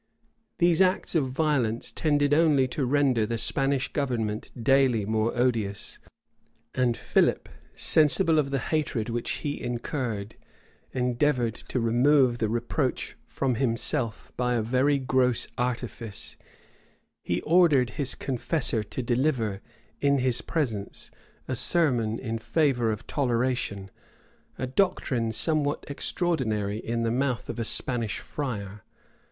These acts of violence tended only to render the Spanish government daily more odious; and Philip, sensible of the hatred which he incurred, endeavored to remove the reproach from himself by a very gross artifice: he ordered his confessor to deliver, in his presence, a sermon in favor of toleration; a doctrine somewhat extraordinary in the mouth of a Spanish friar.